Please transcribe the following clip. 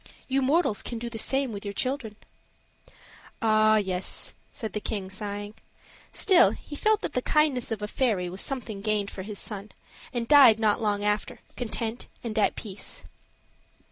You mortals can do the same with your children." "Ah, yes!" said the king, sighing. Still, he felt that the kindness of a fairy was something gained for his son, and died not long after, content and at peace.